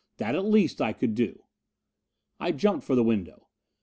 That at least I could do! I jumped for the window.